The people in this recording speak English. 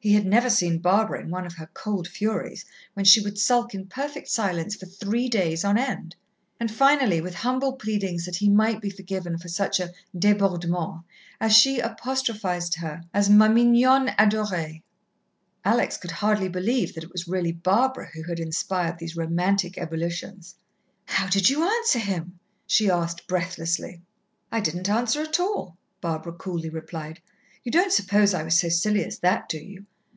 he had never seen Barbara in one of her cold furies, when she would sulk in perfect silence for three days on end!) And finally, with humble pleadings that he might be forgiven for such a débordement, Achille apostrophized her as "ma mignonne adorer." Alex could hardly believe that it was really Barbara who had inspired these romantic ebullitions. "How did you answer him?" she asked breathlessly. "I didn't answer at all," Barbara coolly replied. "You don't suppose I was so silly as that, do you?